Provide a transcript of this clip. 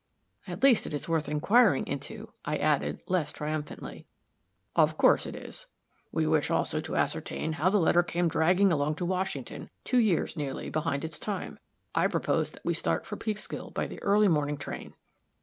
"At least, it is worth inquiring into," I added, less triumphantly. "Of course it is. We wish, also, to ascertain how the letter came dragging along to Washington two years, nearly, behind its time. I propose that we start for Peekskill by the early morning train."